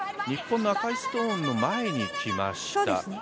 日本の赤いストーンの前に来ました。